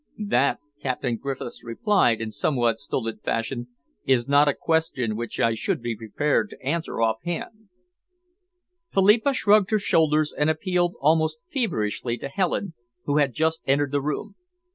"That," Captain Griffiths replied in somewhat stilted fashion, "is not a question which I should be prepared to answer off hand." Philippa shrugged her shoulders and appealed almost feverishly to Helen, who had just entered the room.